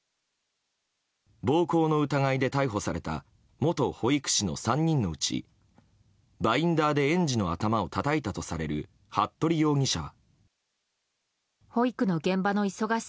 暴行の疑いで逮捕された元保育士の３人のうちバインダーで園児の頭をたたいたとされる服部容疑者は。